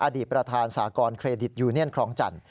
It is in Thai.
อดีตประธานสากรเครดิตยูเนียนคลองจันทร์